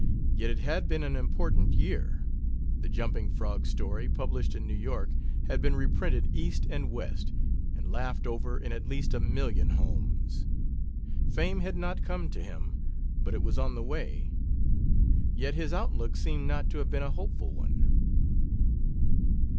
Yet it had been an important year; the jumping frog story, published in New York, had been reprinted East and West, and laughed over in at least a million homes. Fame had not come to him, but it was on the way. Yet his outlook seems not to have been a hopeful one.